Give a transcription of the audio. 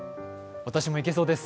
私もいけそうです。